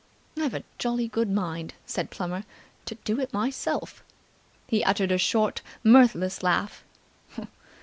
"I've a jolly good mind," said Plummer, "to do it myself!" He uttered a short, mirthless laugh.